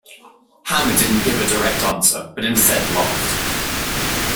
Hammer didn't give a direct answer, but instead laughed.